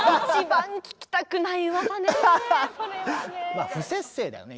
まあ不摂生だよね